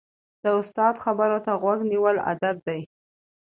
د استاد خبرو ته غوږ نیول ادب دی.